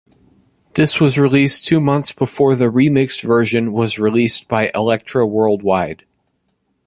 This was released two months before the remixed version was released by Elektra worldwide.